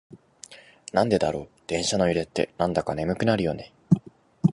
なんでだろう、電車の揺れってなんだか眠くなるよね。